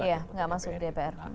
iya nggak masuk dpr